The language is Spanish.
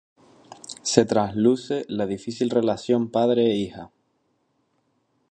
Se trasluce la difícil relación padre e hija.